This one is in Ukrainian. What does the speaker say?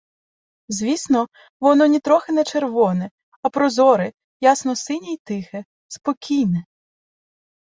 Звісно, воно нітрохи не червоне, — а прозоре, ясно-синє й тихе, спокійне!